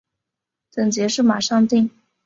等结束马上订